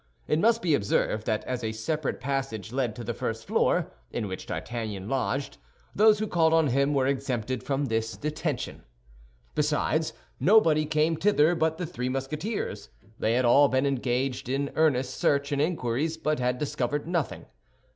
It must be observed that as a separate passage led to the first floor, in which D'Artagnan lodged, those who called on him were exempted from this detention. Besides, nobody came thither but the three Musketeers; they had all been engaged in earnest search and inquiries, but had discovered nothing.